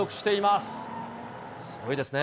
すごいですね。